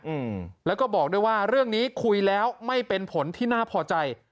อืมแล้วก็บอกด้วยว่าเรื่องนี้คุยแล้วไม่เป็นผลที่น่าพอใจ